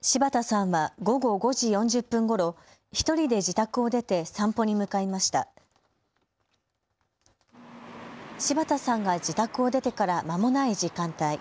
柴田さんが自宅を出てからまもない時間帯。